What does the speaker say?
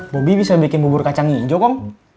bobi bisa bikin bubur kacang hijau kok